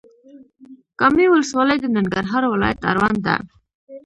کامې ولسوالۍ د ننګرهار ولايت اړوند ده.